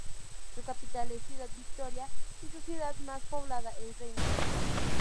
Su capital es Ciudad Victoria y su ciudad más poblada es Reynosa.